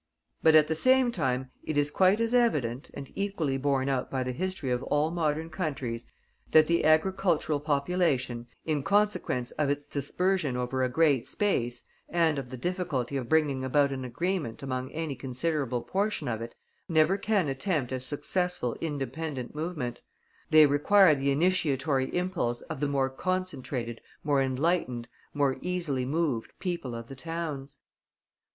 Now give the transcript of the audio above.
But at the same time it is quite as evident, and equally borne out by the history of all modern countries, that the agricultural population, in consequence of its dispersion over a great space, and of the difficulty of bringing about an agreement among any considerable portion of it, never can attempt a successful independent movement; they require the initiatory impulse of the more concentrated, more enlightened, more easily moved people of the towns.